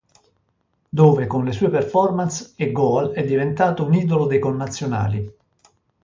Dove con le sue performance e goal è diventato un idolo dei connazionali.